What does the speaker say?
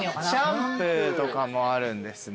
シャンプーとかもあるんですね。